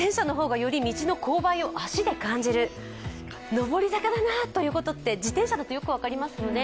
上り坂だなというところって自転車だとよく分かりますよね。